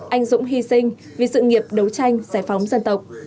anh dũng hy sinh vì sự nghiệp đấu tranh giải phóng dân tộc